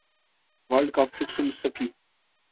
world cup fixing سکی